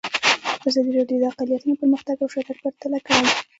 ازادي راډیو د اقلیتونه پرمختګ او شاتګ پرتله کړی.